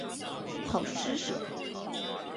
好施舍。